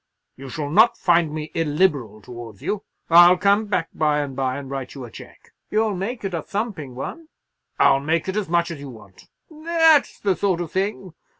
"You shall not find me illiberal towards you. I'll come back by and by, and write you a cheque." "You'll make it a thumping one?" "I'll make it as much as you want." "That's the sort of thing.